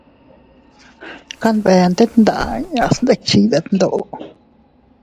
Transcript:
Kanbene tet nda inña se iyndikchiy detndote.